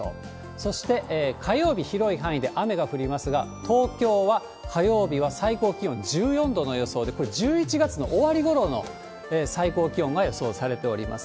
そして火曜日、広い範囲で雨が降りますが、東京は火曜日は最高気温１４度の予想で、これ、１１月の終わりごろの最高気温が予想されております。